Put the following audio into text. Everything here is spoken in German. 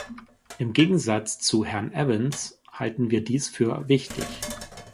Im Gegensatz zu Herrn Evans halten wir dies für wichtig.